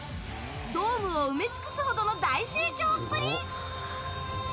ドームを埋め尽くすほどの大盛況っぷり！